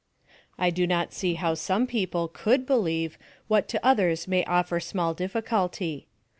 I do not see how some people could believe what to others may offer small difficulty.